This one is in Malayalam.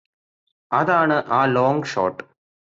അതാണ് ആ ലോംഗ് ഷോട്ട്